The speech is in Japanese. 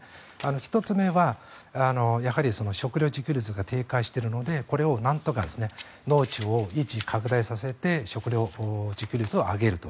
１つ目は食料自給率が低下しているのでこれをなんとか農地を維持・拡大させて食料自給率を上げると。